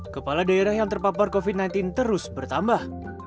kepala daerah yang terpapar covid sembilan belas terus bertambah